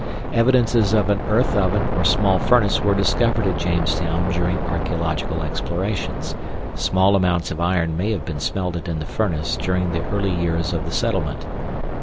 EVIDENCES OF AN EARTH OVEN OR SMALL FURNACE WERE DISCOVERED AT JAMESTOWN DURING ARCHEOLOGICAL EXPLORATIONS. SMALL AMOUNTS OF IRON MAY HAVE BEEN SMELTED IN THE FURNACE DURING THE EARLY YEARS OF THE SETTLEMENT.